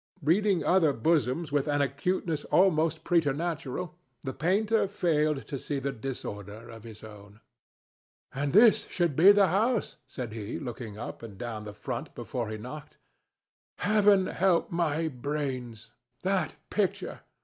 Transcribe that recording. Reading other bosoms with an acuteness almost preternatural, the painter failed to see the disorder of his own. "And this should be the house," said he, looking up and down the front before he knocked. "Heaven help my brains! That picture!